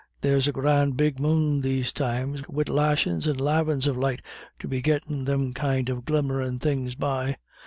There's a gran' big moon these times, wid lashin's and lavin's of light to be gettin' thim kind of glimmerin' things by.